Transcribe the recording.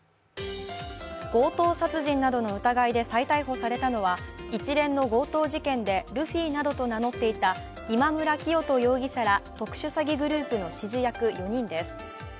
強盗殺人などの疑いで再逮捕されたのは、一連の強盗事件でルフィなどと名乗っていた今村磨人容疑者ら特殊詐欺グループの指示役４人です。